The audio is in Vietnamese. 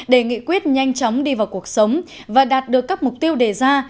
để nghị quyết nhanh chóng đi vào cuộc sống và đạt được các mục tiêu đề ra